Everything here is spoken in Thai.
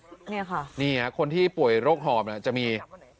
เนี่ยค่ะนี่ฮะคนที่ป่วยโรคหอบเนี่ยจะมี